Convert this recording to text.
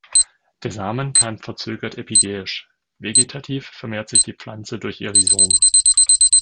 Der Samen keimt verzögert-epigäisch, vegetativ vermehrt sich die Pflanze durch ihr Rhizom.